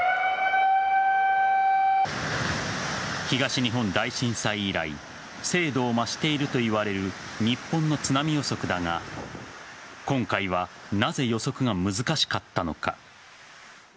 東日本大震災以来精度を増しているといわれる日本の津波予測だが今回はなぜ予測が難しかったのか。